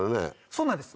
そうなんです